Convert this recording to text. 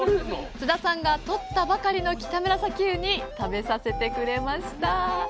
津田さんがとったばかりのキタムラサキウニ食べさせてくれました。